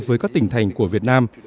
với các tỉnh thành của việt nam